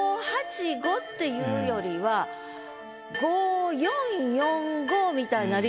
５８５っていうよりは５４４５みたいなはい。